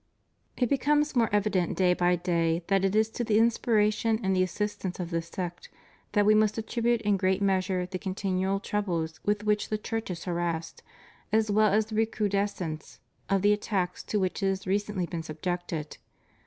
It becomes more evident day by day that it is to the inspiration and the assistance of this sect that we must attribute in great measure the continual troubles with which the Church is harassed, as well as the recrudescence of the attacks to which it has recently been subjected.